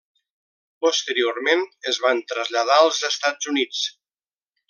Posteriorment es van traslladar als Estats Units.